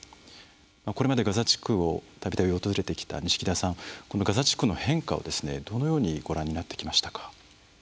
これまでガザ地区をたびたび訪れてきた錦田さんガザ地区の変化をどのようにご覧になってきましたか？